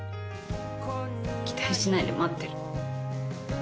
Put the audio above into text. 期待しないで待ってる。